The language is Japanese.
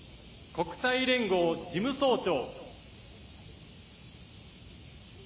国際連合事務総長。